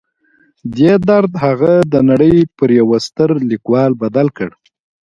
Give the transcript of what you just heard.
دې درد هغه د نړۍ پر یوه ستر لیکوال بدل کړ